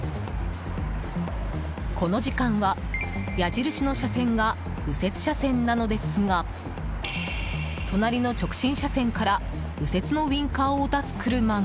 この時間は、矢印の車線が右折車線なのですが隣の直進車線から右折のウインカーを出す車が。